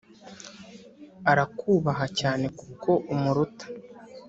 arakubaha cyane kuko umuruta